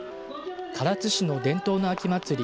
唐津市の伝統の秋祭り